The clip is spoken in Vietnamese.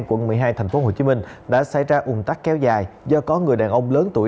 quận một mươi hai thành phố hồ chí minh đã xảy ra ung tắc kéo dài do có người đàn ông lớn tuổi